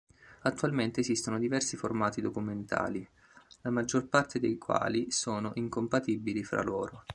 Attualmente esistono diversi formati documentali, la maggior parte dei quali sono incompatibili fra loro.